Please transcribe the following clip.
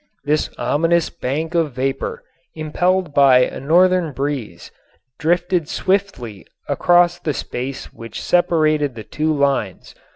This ominous bank of vapor, impelled by a northern breeze, drifted swiftly across the space which separated the two lines.